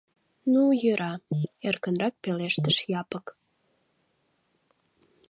— Ну, йӧра, — эркынрак пелештыш Япык.